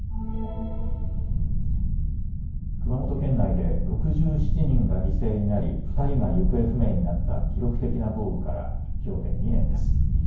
熊本県内で６７人が犠牲になり２人が行方不明になった記録的な豪雨から、きょうで２年です。